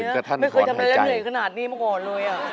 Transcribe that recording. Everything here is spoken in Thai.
ทำไมอ่ะไม่เคยทำได้เรื่องเหนื่อยขนาดนี้มาก่อนเลยอ่ะ